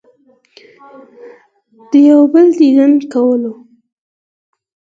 د يو بل ديدن کولو